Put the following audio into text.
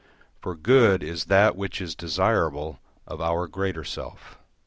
For good is that which is desirable for our greater self.